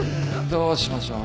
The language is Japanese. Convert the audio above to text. どうしましょう？